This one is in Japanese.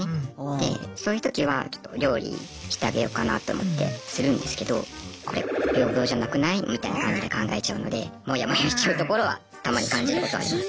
でそういう時はちょっと料理してあげようかなと思ってするんですけどみたいな感じで考えちゃうのでモヤモヤしちゃうところはたまに感じることありますね。